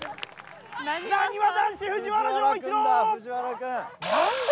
なにわ男子藤原丈一郎！